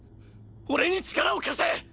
オレに力を貸せ！！